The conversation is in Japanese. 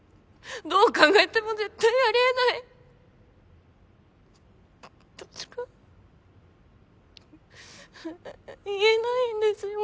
どう考えても絶対ありえない。としか言えないんですよ。